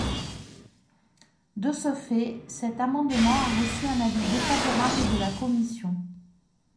De ce fait, cet amendement a reçu un avis défavorable de la commission.